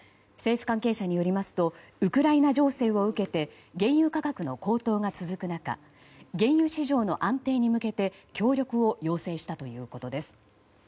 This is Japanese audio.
政府関係者によりますとウクライナ情勢を受けて原油価格の高騰が続く中原油市場の安定に向けて協力を要請したということです。